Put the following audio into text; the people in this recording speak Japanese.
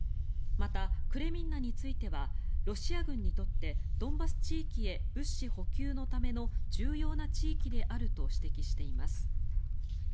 また、クレミンナについてはロシア軍にとってドンバス地域へ物資補給のための重要な地域であると指摘しています。